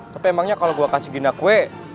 tapi emangnya kalau gue kasih gina kue